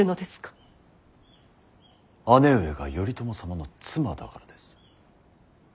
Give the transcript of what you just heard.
姉上が頼朝様の妻だからです。